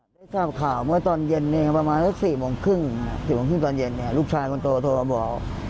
ได้ทราบข่าวเมื่อตอนเย็นประมาณสัก๔โมงครึ่ง๔โมงครึ่งตอนเย็นลูกชายคนโตโทรมาบอก